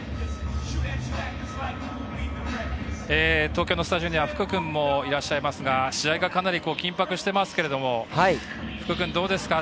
東京のスタジオには福くんもいらっしゃいますが試合がかなり、緊迫していますが福くん、どうですか？